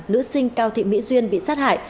nữ sinh cao thị mỹ duyên bị sát hại